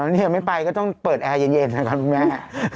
นี่ยังไม่ไปก็ต้องเปิดแอร์เย็นนะครับคุณแม่